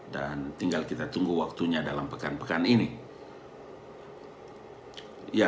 dan tinggal kita tunggu waktunya dalam pekan pekan ini